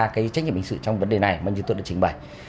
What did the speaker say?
cái trách nhiệm hình sự trong vấn đề này mà như tôi đã trình bày